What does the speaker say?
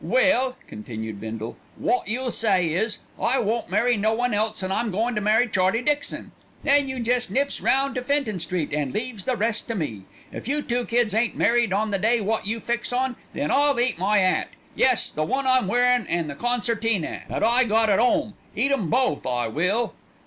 "Well," continued Bindle, "wot you'll say is, 'I won't marry no one else, an' I'm goin' to marry Charlie Dixon.' Then you jest nips round to Fenton Street an' leaves the rest to me. If you two kids ain't married on the day wot you fix on, then I'll eat my 'at, yes, the one I'm wearin' an' the concertina 'at I got at 'ome; eat 'em both I will!"